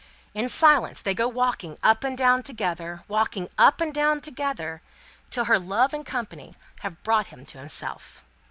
In silence they go walking up and down together, walking up and down together, till her love and company have brought him to himself."